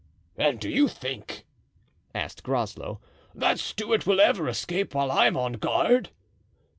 "And do you think," asked Groslow, "that Stuart will ever escape while I am on guard?"